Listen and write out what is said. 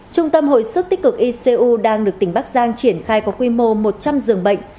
trung tâm hồi sức tích cực icu đang được tỉnh bắc giang triển khai có quy mô một trăm linh giường bệnh